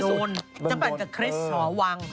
โน้นจำแบบกับคริสฮะวังโน้นมาก